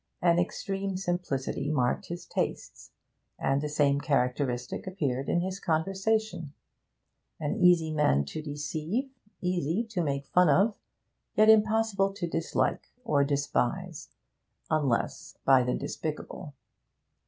An extreme simplicity marked his tastes, and the same characteristic appeared in his conversation; an easy man to deceive, easy to make fun of, yet impossible to dislike, or despise unless by the despicable.